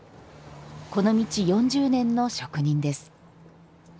この道４０年の職人です。